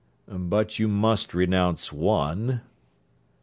'But you must renounce one.'